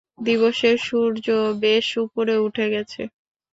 দিবসের সূর্য বেশ উপরে উঠে গেছে।